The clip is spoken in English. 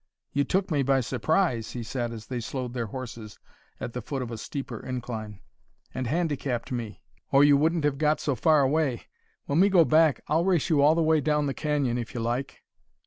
"You took me by surprise," he said as they slowed their horses at the foot of a steeper incline, "and handicapped me, or you wouldn't have got so far away. When we go back I'll race you all the way down the canyon, if you like."